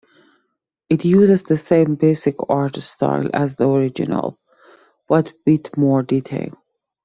It uses the same basic art style as the original, but with more detail.